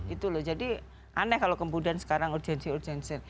itu loh jadi aneh kalau kemudian sekarang urgensi urgensi